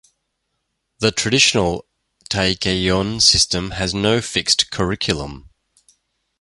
The traditional Taekkeyon system has no fixed curriculum.